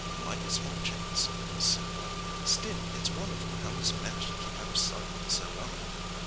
"Mighty small chance," said Blake. "Still, it's wonderful how he's managed to keep out of sight for so long.